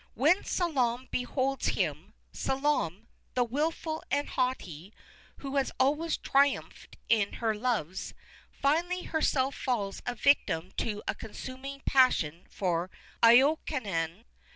When Salome beholds him, Salome, the wilful and haughty, who has always triumphed in her loves, finally herself falls a victim to a consuming passion for Iokanaan.